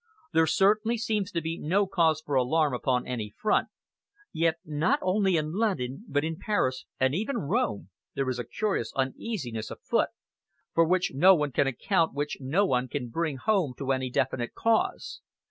There certainly seems to be no cause for alarm upon any front, yet, not only in London, but in Paris and even Rome, there is a curious uneasiness afoot, for which no one can account which no one can bring home to any definite cause.